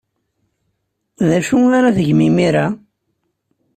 D acu ara tgem imir-a?